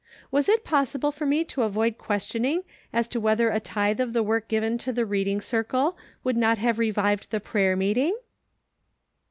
Was it possible for me to avoid questioning as to whether a tithe of the work given to the Reading Circle, would not have re vived the prayer meeting